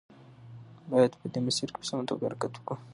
باید په دې مسیر کې په سمه توګه حرکت وکړو.